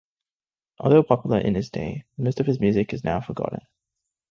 Although popular in his day, most of his music is now forgotten.